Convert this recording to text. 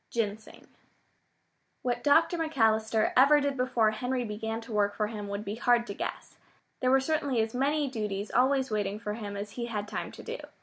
GINSENG What Dr. McAllister ever did before Henry began to work for him would be hard to guess. There were certainly as many duties always waiting for him as he had time to do.